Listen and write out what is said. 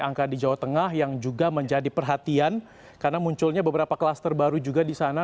angka di jawa tengah yang juga menjadi perhatian karena munculnya beberapa klaster baru juga di sana